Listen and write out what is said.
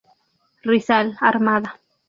Rizal 'Armada".